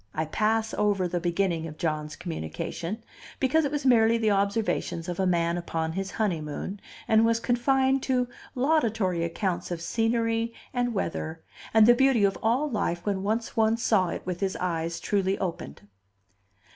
I pass over the beginning of John's communication, because it was merely the observations of a man upon his honeymoon, and was confined to laudatory accounts of scenery and weather, and the beauty of all life when once one saw it with his eyes truly opened.